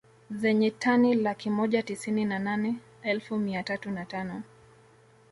Zenye tani laki moja tisini na nane elfu mia tatu na tano